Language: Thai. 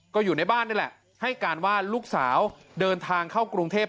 ก็อยู่ในบ้านนี่แหละให้การว่าลูกสาวเดินทางเข้ากรุงเทพ